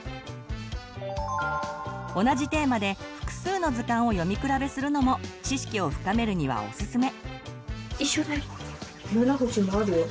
同じテーマで複数の図鑑を読み比べするのも知識を深めるにはおすすめ。